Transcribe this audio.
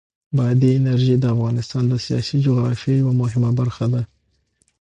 بادي انرژي د افغانستان د سیاسي جغرافیه یوه مهمه برخه ده.